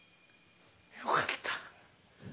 よかった。